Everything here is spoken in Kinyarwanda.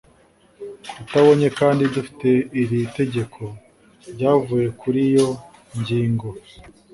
atabonye Kandi dufite iri tegeko ryavuye kuri yo ngingo